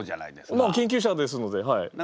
まあ研究者ですのではい。